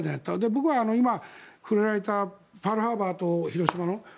僕は今、触れられたパール・ハーバーと広島の。